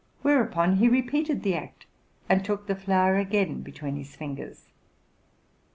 Whereupon he repeated the act, and took the flower again between his fingers.